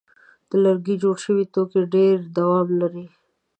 د لرګي جوړ شوي توکي ډېر دوام لري.